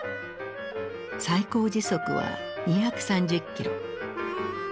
最高時速は２３０ｋｍ。